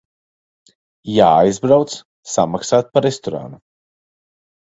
Jāaizbrauc samaksāt par restorānu.